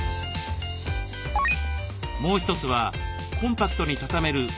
もう一つはコンパクトにたためる防寒具。